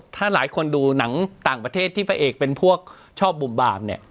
ถ้าหลายคนดูหนังต่างประเทศที่พระเอกเป็นพวกชอบบุ่มบาปเนี่ย